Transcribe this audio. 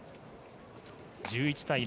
１１対６。